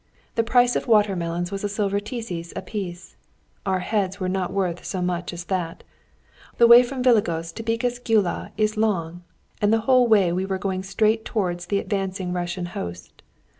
The price of water melons was a silver tizes a piece. Our heads were not worth so much as that. The way from Vilagós to Bekes Gyula is long, and the whole way we were going straight towards the advancing Russian host.